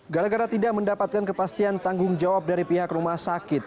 gara gara tidak mendapatkan kepastian tanggung jawab dari pihak rumah sakit